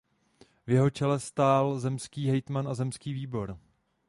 V jeho čele stál zemský hejtman a zemský výbor.